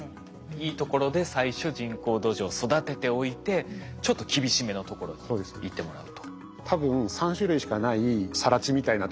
いいところで最初人工土壌育てておいてちょっと厳しめのところに行ってもらうと。